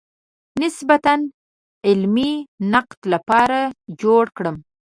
د نسبتاً علمي نقد لپاره جوړ کړم.